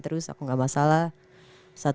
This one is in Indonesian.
terus aku gak masalah saat